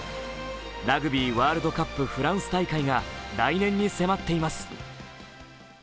ラグビー・ワールドカップフランス大会が来年迫っています。